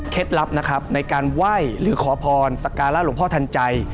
เคล็ดลับนะครับในการว่ายหรือขอพรสการ่าหลวงพ่อทันใจ